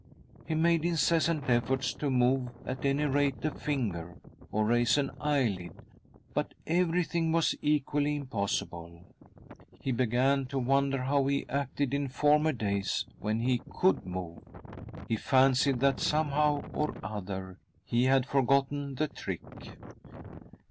He made incessant efforts' to move &l any rate a finger, or raise an eyelid, but everything was equally impossible ! He began to wonder how he acted in former days when he could move. He fancied that, somehow or other, he had forgotten the trick!